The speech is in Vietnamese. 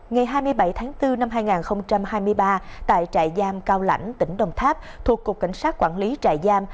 ngày hai mươi bảy tháng bốn năm hai nghìn hai mươi ba tại trại giam cao lãnh tỉnh đồng tháp thuộc cục cảnh sát quản lý trại giam